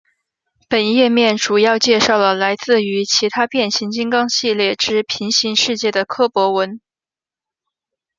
本页面主要介绍了来自于其他变形金刚系列之平行世界的柯博文。